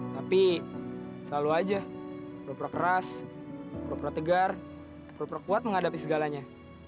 tapi selalu aja pura pura keras pura pura tegar pura pura kuat menghadapi segalanya